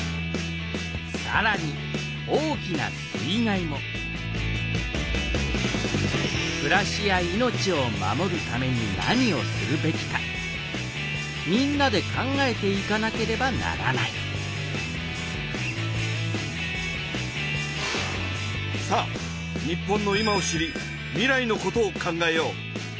さらに大きな水害もくらしや命を守るために何をするべきかみんなで考えていかなければならないさあ日本の今を知り未来のことを考えよう。